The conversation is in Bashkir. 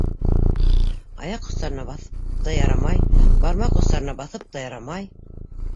- Аяҡ остарына баҫып та ярамай, бармаҡ остарына баҫып та ярамай.